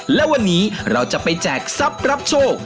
และวันนี้เราจะไปแจกทรัพย์รับโชค